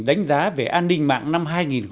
đánh giá về an ninh mạng năm hai nghìn một mươi chín